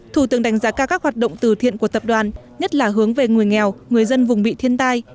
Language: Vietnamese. thủ tướng đánh giá cao các hoạt động từ thiện của tập đoàn nhất là hướng về người nghèo người dân vùng bị thiên tai